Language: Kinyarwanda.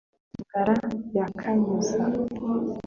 nkangara ya kanyuza